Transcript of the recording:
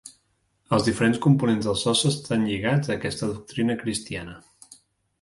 Els diferents components del sostre estan lligats a aquesta doctrina cristiana.